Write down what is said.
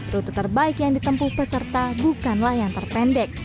rute terbaik yang ditempuh peserta bukanlah yang terpendek